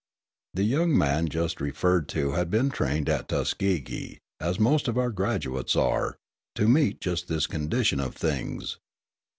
The young man just referred to had been trained at Tuskegee, as most of our graduates are, to meet just this condition of things.